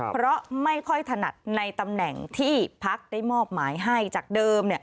เพราะไม่ค่อยถนัดในตำแหน่งที่พักได้มอบหมายให้จากเดิม